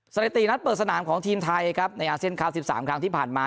สถิตินัดเปิดสนามของทีมไทยครับในอาเซียนคราว๑๓ครั้งที่ผ่านมา